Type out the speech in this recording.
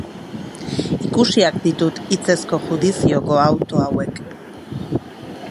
Ikusiak ditut hitzezko judizioko auto hauek.